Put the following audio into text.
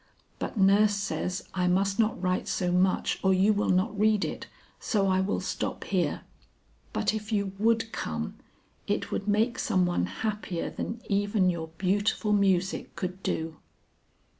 But nurse says I must not write so much or you will not read it, so I will stop here. But if you would come it would make some one happier than even your beautiful music could do."